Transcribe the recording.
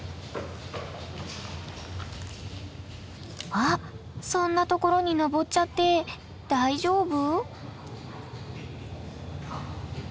あっそんな所に上っちゃって大丈夫？